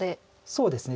そうですね